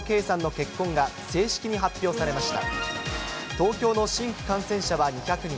東京の新規感染者は２００人。